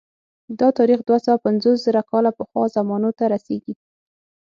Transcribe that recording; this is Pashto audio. دا تاریخ دوه سوه پنځوس زره کاله پخوا زمانو ته رسېږي